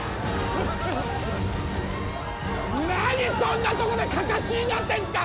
何そんなとこでカカシになってんすか！